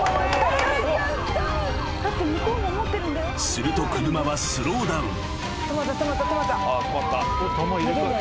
［すると車はスローダウン］